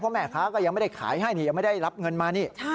เพราะแม่ค้าก็ยังไม่ได้ขายให้ยังไม่ได้รับเงินมา